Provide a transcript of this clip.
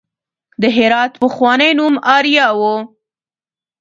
د هرات پخوانی نوم اریا و